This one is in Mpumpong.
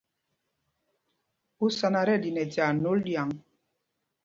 Ú sá ná tí ɛɗi nɛ tyaa nôl ɗyaŋ ?